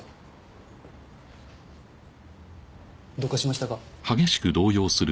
どうかしましたか？